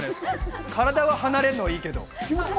体は離れるのはいいけど。